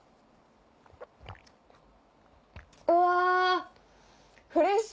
うわ！